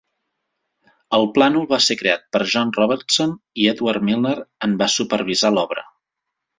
El plànol va ser creat per John Robertson i Edward Milner en va supervisar l'obra.